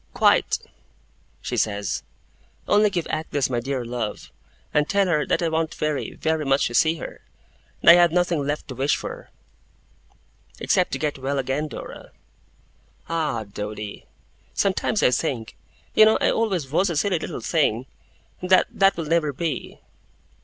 'Quite!' she says. 'Only give Agnes my dear love, and tell her that I want very, very, much to see her; and I have nothing left to wish for.' 'Except to get well again, Dora.' 'Ah, Doady! Sometimes I think you know I always was a silly little thing! that that will never be!